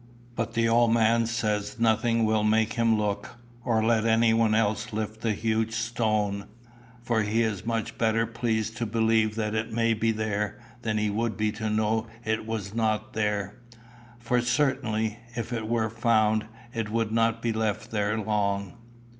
But the old man says that nothing will make him look, or let anyone else lift the huge stone; for he is much better pleased to believe that it may be there, than he would be to know it was not there; for certainly, if it were found, it would not be left there long."